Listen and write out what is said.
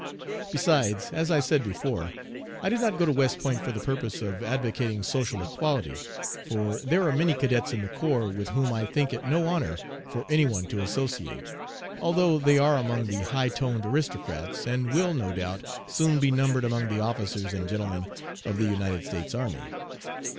Besides, as I said before, I did not go to West Point for the purpose of advocating social equality, for there are many cadets in the corps with whom I think it no honor for any one to associate, although they are among the high toned aristocrats, and will, no doubt, soon be numbered among the 'officers and gentlemen' of the United States Army.